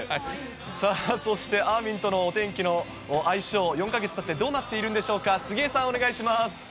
さあ、そしてあーみんとのお天気の相性、４か月たってどうなっているんでしょうか、杉江さん、お願いします。